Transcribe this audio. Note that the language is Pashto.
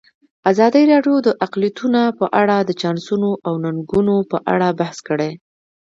ازادي راډیو د اقلیتونه په اړه د چانسونو او ننګونو په اړه بحث کړی.